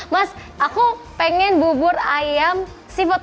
mas aku pengen bubur ayam seafood